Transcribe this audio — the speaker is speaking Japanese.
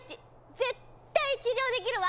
絶対治療できるわ！